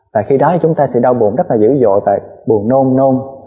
và khi đó thì chúng ta sẽ đau bụng rất là dữ dội và buồn nôn nôn